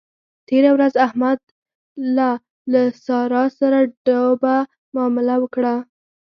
تېره ورځ احمد له له سارا سره ډوبه مامله وکړه.